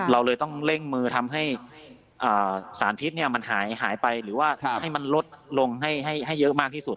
เราเลยต้องเร่งมือทำให้สารพิษมันหายไปหรือว่าให้มันลดลงให้เยอะมากที่สุด